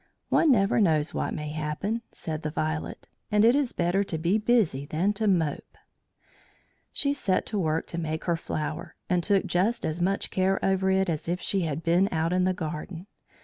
"One never knows what may happen," said the Violet; "and it is better to be busy than to mope." She set to work to make her flower, and took just as much care over it as if she had been out in the garden.